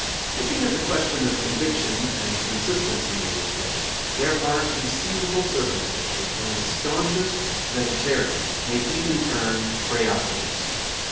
Looking at the question of conviction and consistency in this way, there are conceivable circumstances when the staunchest vegetarian may even turn kreophagist.